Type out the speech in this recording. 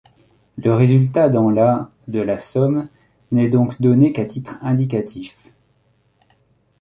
Le résultat dans la de la Somme n'est donc donné qu'à titre indicatif.